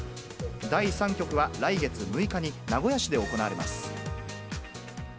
第３局は来月６日に名古屋市で行われます。